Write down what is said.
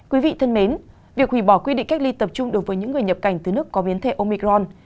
quý vị thân mến việc hủy bỏ quy định cách ly tập trung đối với những người nhập cảnh từ nước có biến thể omicron